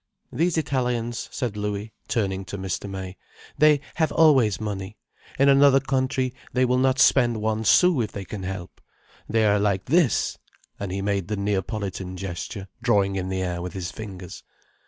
"These Italians," said Louis, turning to Mr. May. "They have always money. In another country, they will not spend one sou if they can help. They are like this—" And he made the Neapolitan gesture drawing in the air with his fingers.